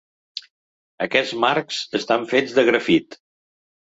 Aquests marcs estan fets de grafit.